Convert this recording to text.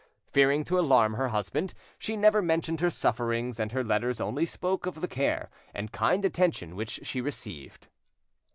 Fearing to alarm her husband, she never mentioned her sufferings, and her letters only spoke of the care and kind attention which she received.